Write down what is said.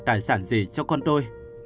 tài sản gì cho con tôi